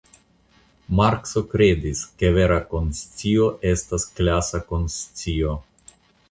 Markso kredis ke vera konscio estas klasa konscio.